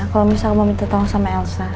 kalau misalnya mau minta tolong sama elsa